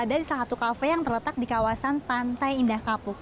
saya berada di salah satu kafe yang terletak di kawasan pantai indah kapuh